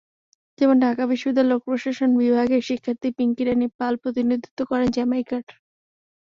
যেমন ঢাকা বিশ্ববিদ্যালয়ের লোকপ্রশাসন বিভাগের শিক্ষার্থী পিংকি রানী পাল প্রতিনিধিত্ব করেন জ্যামাইকার।